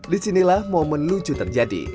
disinilah momen lucu terjadi